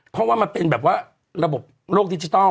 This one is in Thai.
เพราะว่ามันเป็นแบบว่าระบบโลกดิจิทัล